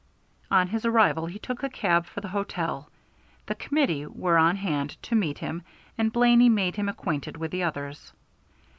On his arrival he took a cab for the hotel. The Committee were on hand to meet him, and Blaney made him acquainted with the others.